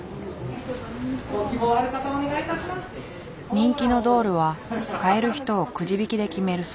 人気のドールは買える人をくじ引きで決めるそう。